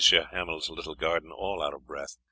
Hamel's little garden all out of breath.